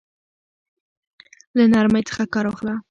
له نرمۍ څخه كار واخله!